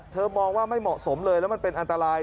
มองว่าไม่เหมาะสมเลยแล้วมันเป็นอันตราย